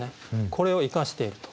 これを生かしていると。